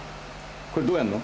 これどうやるの？